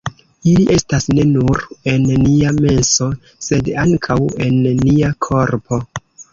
Ili estas ne nur en nia menso, sed ankaŭ en nia korpo.